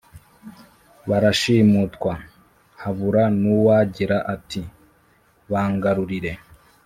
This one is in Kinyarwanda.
barashimutwa, habura n’uwagira ati «Bangarurire !»